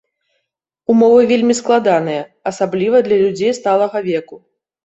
Умовы вельмі складаныя, асабліва для людзей сталага веку.